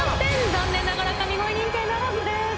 残念ながら神声認定ならずです。